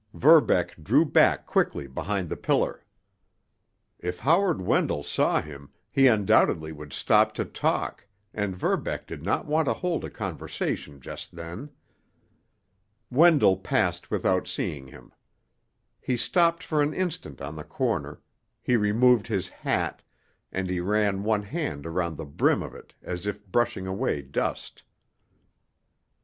Verbeck drew back quickly behind the pillar. If Howard Wendell saw him, he undoubtedly would stop to talk, and Verbeck did not want to hold a conversation just then. Wendell passed without seeing him. He stopped for an instant on the corner; he removed his hat, and he ran one hand around the brim of it as if brushing away dust.